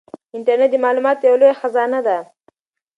انټرنيټ د معلوماتو یوه لویه خزانه ده.